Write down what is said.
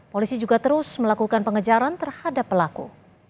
polisi juga terus melakukan pengejaran terhadap pelaku